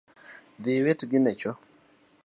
Dhi iwit gino e cho